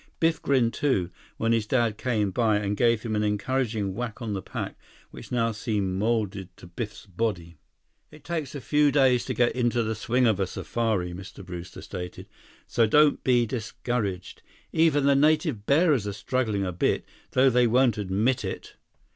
Biff grinned, too, when his dad came by and gave him an encouraging whack on the pack which now seemed molded to Biff's body. "It takes a few days to get into the swing of a safari," Mr. Brewster stated, "so don't be discouraged. Even the native bearers are struggling a bit, though they won't admit it.